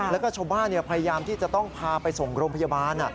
แล้วก็ชาวบ้านพยายามที่จะต้องพาไปส่งโรงพยาบาล